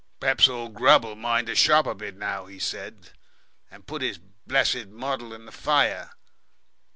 "P'raps old Grubb'll mind the shop a bit now," he said, "and put his blessed model in the fire.